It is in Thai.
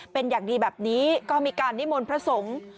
เป็นอย่างดีแบบนี้ก็มีการนิมนต์พระสงฆ์